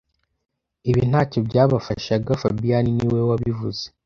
Ibi ntacyo byabafashaga fabien niwe wabivuze